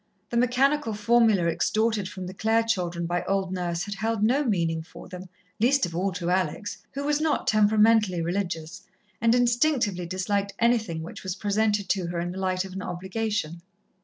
The mechanical formula extorted from the Clare children by old Nurse had held no meaning for them, least of all to Alex, who was not temperamentally religious, and instinctively disliked anything which was presented to her in the light of an obligation.